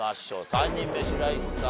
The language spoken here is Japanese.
３人目白石さん